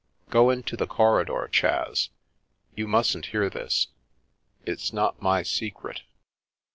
Go into the corridor, Chas; you mustn't hear this, it's not my secret.